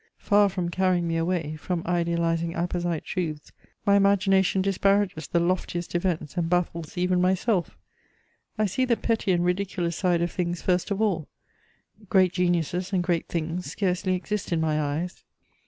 Far from carrying me away, from idealizing apposite truths, my imagination disparages the loftiest events and baffles even myself; I see the petty and ridiculous side of things first of all; great geniuses and great things scarcely exist in my eyes.